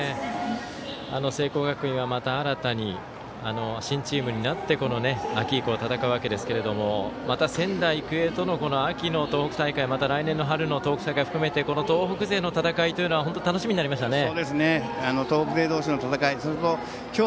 聖光学院はまた新たに新チームになって秋以降戦うわけですが仙台育英との秋の東北大会また来年の春の東北大会含めてこの東北勢の戦いが本当に楽しみになりましたね。